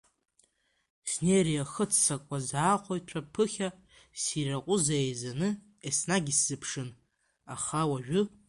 Снеира иахыццакуаз аахәаҩцәа ԥыхьа Сиракәыза еизаны еснагь исзыԥшын, аха уажәы…